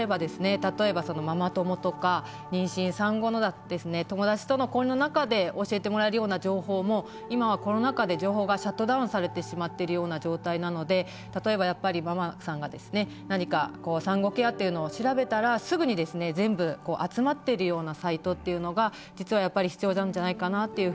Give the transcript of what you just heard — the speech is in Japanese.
例えばママ友とか妊娠産後の友達との交流の中で教えてもらえるような情報も今はコロナ禍で情報がシャットダウンされてしまってるような状態なので例えばやっぱりママさんがですね何か産後ケアというのを調べたらすぐにですね全部集まってるようなサイトっていうのが実はやっぱり必要なんじゃないかなっていうふうに感じます。